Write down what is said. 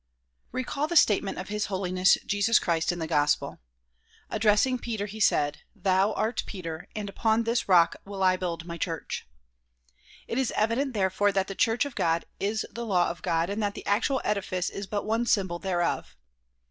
Recall the statement of His Holiness Jesus Christ in the gospel. Addressing Peter, he said "Thou art Peter and upon this rock will I build my church." It is evident therefore that the church of God is the law of God and that the actual edifice is but one symbol thereof.